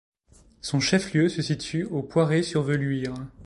Son chef-lieu se situe au Poiré-sur-Velluire.